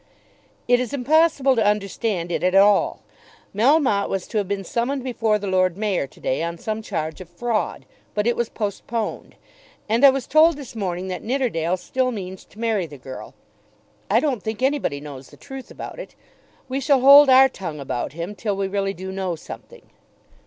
"It is impossible to understand it all. Melmotte was to have been summoned before the Lord Mayor to day on some charge of fraud; but it was postponed. And I was told this morning that Nidderdale still means to marry the girl. I don't think anybody knows the truth about it. We shall hold our tongue about him till we really do know something."